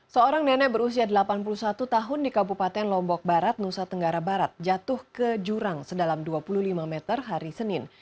seorang nenek berusia delapan puluh satu tahun di kabupaten lombok barat nusa tenggara barat jatuh ke jurang sedalam dua puluh lima meter hari senin